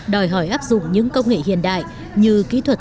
đòi hỏi áp dụng những công nghệ hiện đại như kỹ thuật